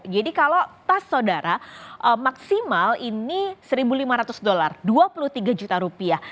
kalau tas saudara maksimal ini satu lima ratus dolar dua puluh tiga juta rupiah